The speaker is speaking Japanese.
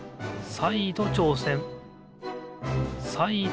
さいどちょうせん。